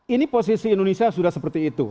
ini posisi indonesia sudah seperti itu